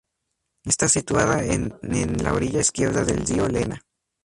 Está situada en en la orilla izquierda del río Lena.